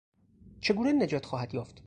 چگونه نجات خواهد یافت؟